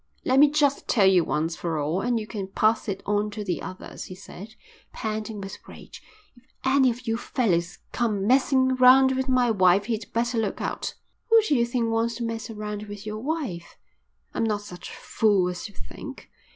"Let me just tell you once for all and you can pass it on to the others," he said, panting with rage. "If any of you fellows come messing round with my wife he'd better look out." "Who do you think wants to mess around with your wife?" "I'm not such a fool as you think.